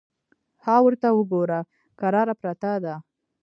_ها ورته وګوره! کراره پرته ده.